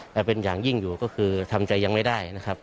แต่เป็นอย่างยิ่งอยู่ก็คือทำใจยังไม่ได้นะครับ